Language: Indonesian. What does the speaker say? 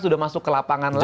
sudah masuk ke lapangan